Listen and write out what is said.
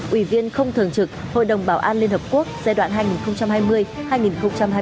ủy viên không thường trực hội đồng bảo an liên hợp quốc giai đoạn hai nghìn hai mươi hai nghìn hai mươi một